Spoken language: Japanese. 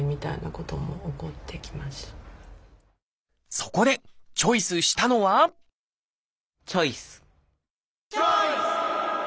そこでチョイスしたのはチョイス！